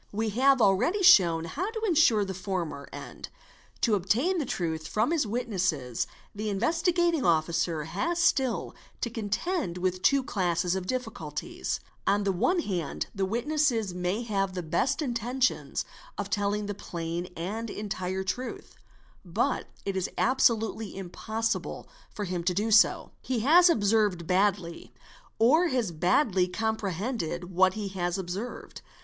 We have already shown how to ensure the former end; to obtain the truth from his witnesses the Investigating © Officer has still to contend with two classes of difficulties; on the one hand the witness may have the best intentions of telling the plain and entire truth, but it is absolutely impossible for him so to do. He has observed badly or has badly comprehended what he has observed.